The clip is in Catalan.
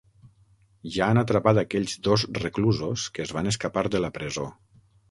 Ja han atrapat aquells dos reclusos que es van escapar de la presó.